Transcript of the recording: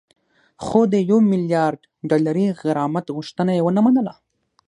خو د یو میلیارد ډالري غرامت غوښتنه یې ونه منله